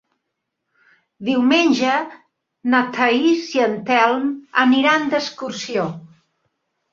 Diumenge na Thaís i en Telm aniran d'excursió.